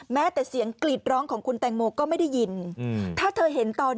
แม้แต่เสียงกรีดร้องของคุณแตงโมก็ไม่ได้ยินถ้าเธอเห็นตอน